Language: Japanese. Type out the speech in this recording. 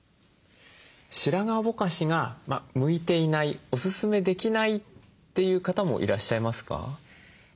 白髪ぼかしが向いていないおすすめできないという方もいらっしゃいますか？